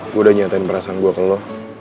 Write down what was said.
gue udah nyatain perasaan gue ke lo